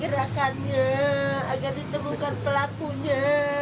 gerakannya agar ditemukan pelakunya